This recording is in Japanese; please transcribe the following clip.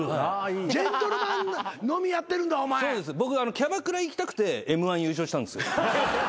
キャバクラ行きたくてＭ−１優勝したんですよ。